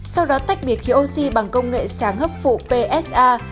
sau đó tách biệt khí oxy bằng công nghệ sáng hấp phụ psa